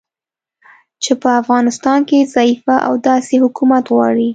چې په افغانستان کې ضعیفه او داسې حکومت غواړي